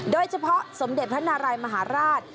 โดยเฉพาะสมเด็จพระนารายมหาราช